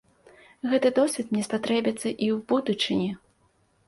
Гэты досвед мне спатрэбіцца і ў будучыні.